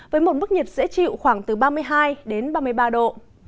với một mức nhiệt dễ chịu khoảng từ ba mươi hai đến ba mươi ba độ